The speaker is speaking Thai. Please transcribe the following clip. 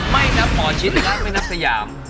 ไม่นับหมอชิดและไม่นับสยาม